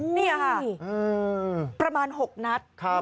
นี่ค่ะประมาณ๖นัด